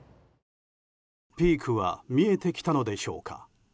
ピークは見えてきたのでしょうか。